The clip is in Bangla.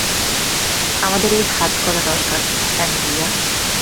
আমাদের ওই হাতকড়া দরকার, অ্যামেলিয়া।